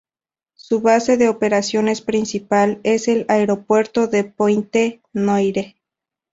Su base de operaciones principal es el Aeropuerto de Pointe-Noire.